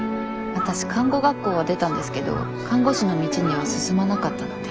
私看護学校は出たんですけど看護師の道には進まなかったので。